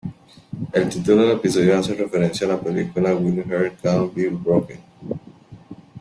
El título del episodio hace referencia a la película "Wild Hearts Can't Be Broken".